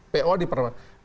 po di perdebatkan